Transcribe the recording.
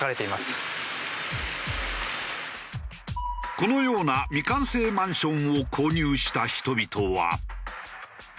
このような未完成マンションを購入した人々は。